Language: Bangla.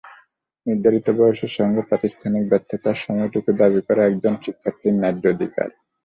নির্ধারিত বয়সের সঙ্গে প্রাতিষ্ঠানিক ব্যর্থতার সময়টুকু দাবি করা একজন শিক্ষার্থীর ন্যায্য অধিকার।